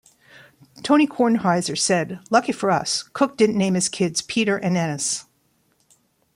Tony Kornheiser said Lucky for us, Cooke didn't name his kids Peter and Ennis.